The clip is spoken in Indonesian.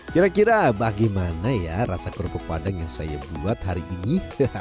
kira kira bagaimana ya rasa kerupuk padang yang saya buat hari ini